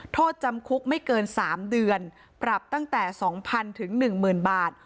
โทษจำคุกไม่เกิน๓เดือนปรับตั้งแต่๒๐๐๐ถึง๑๐๐๐บาท